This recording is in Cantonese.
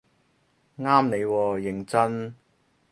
啱你喎認真